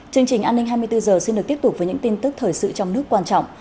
chương trình an ninh hai mươi bốn h xin được tiếp tục với những tin tức thời sự trong nước quan trọng